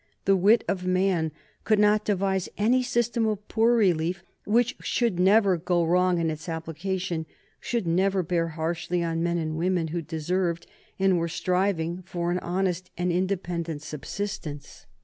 The wit of man could not devise any system of poor relief which should never go wrong in its application, should never bear harshly on men and women who deserved, and were striving for, an honest and independent subsistence.